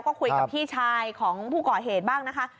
ก็คุยกับพี่ชายของผู้ก่อเหตุบ้างนะคะ